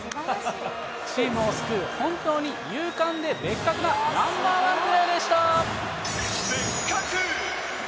チームを救う、本当に勇敢でベッカクなナンバー１プレーでした。